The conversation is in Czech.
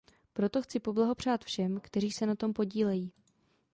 Proto chci poblahopřát všem, kteří se na tom podílejí.